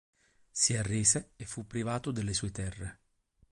Si arrese e fu privato delle sue terre.